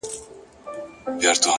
کوښښ د استعداد کمښت پوره کوي.!